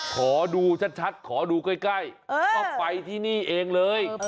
ขอดูชัดขอดูใกล้ก็ไปที่นี่เองเลย